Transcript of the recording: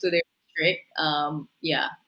jadi jika mereka percaya